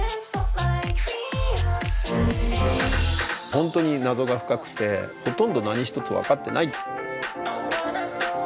本当に謎が深くてほとんど何一つ分かってない。